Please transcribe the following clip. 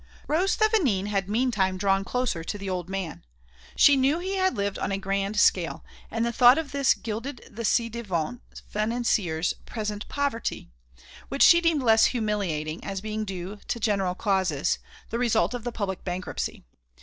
Rose Thévenin had meantime drawn closer to the old man. She knew he had lived on a grand scale, and the thought of this gilded the ci devant financier's present poverty, which she deemed less humiliating as being due to general causes, the result of the public bankruptcy.